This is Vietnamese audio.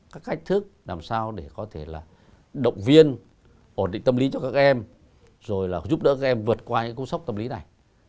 các cách thức làm sao để có thể là động viên ổn định tâm lý cho các em rồi là giúp đỡ các em vượt qua những cú sốc tâm lý này